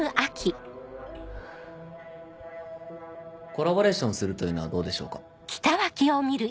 コラボレーションするというのはどうでしょうか。